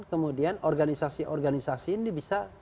kemudian organisasi organisasi ini bisa